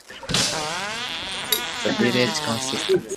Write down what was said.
The village contains a primary school, the Wheatsheaf pub and a church.